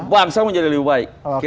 bangsa menjadi lebih baik